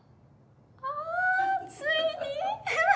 あー、ついに。